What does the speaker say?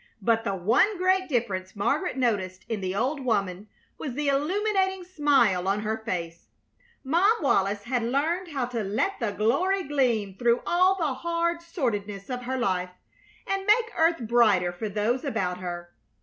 But the one great difference Margaret noticed in the old woman was the illuminating smile on her face. Mom Wallis had learned how to let the glory gleam through all the hard sordidness of her life, and make earth brighter for those about her.